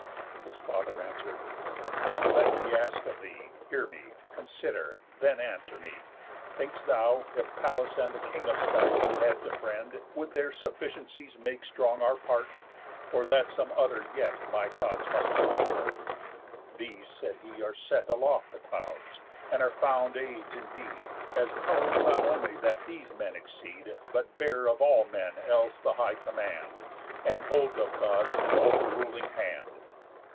His father answer'd: "Let me ask of thee; Hear me, consider, and then answer me. Think'st thou, if Pallas and the King of skies We had to friend, would their sufficiencies Make strong our part? Or that some other yet My thoughts must work for?" "These," said he "are set Aloft the clouds, and are found aids indeed, As pow'rs not only that these men exceed, But bear of all men else the high command, And hold of Gods an overruling hand."